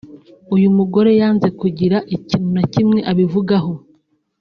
uyu mugore yanze kugira ikintu na kimwe abivugaho